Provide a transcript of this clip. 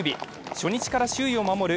初日から首位を守る